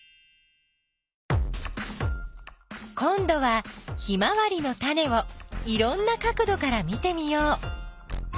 こんどはヒマワリのタネをいろんな角どから見てみよう。